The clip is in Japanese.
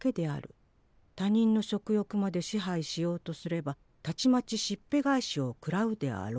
他人の食欲まで支配しようとすればたちまちしっぺ返しを食らうであろう。